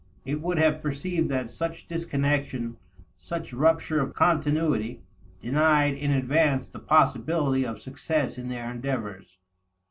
It would have perceived that such disconnection, such rupture of continuity, denied in advance the possibility of success in their endeavors.